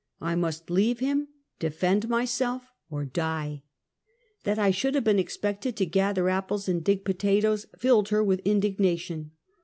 I must leave him, defend myself, or die. That I should have been expected to gather apples and dig potatoes, filled her with indignation.